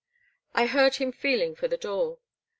I heard him feeling for the door.